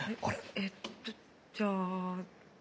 えっとじゃあ。